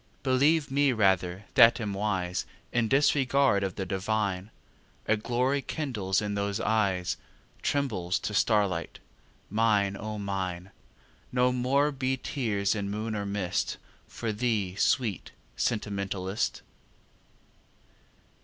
Believe me rather that am wise In disregard of the divine, A glory kindles in those eyes Trembles to starlight. Mine, O Mine! No more be tears in moon or mist For thee, sweet sentimentalist.